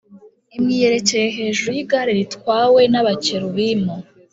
imwiyerekeye hejuru y’igare ritwawe n’Abakerubimu;